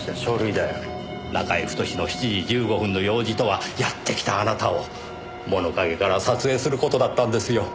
中居太の７時１５分の用事とはやってきたあなたを物陰から撮影する事だったんですよ。